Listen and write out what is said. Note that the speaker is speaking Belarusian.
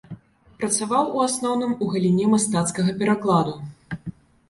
Працаваў у асноўным у галіне мастацкага перакладу.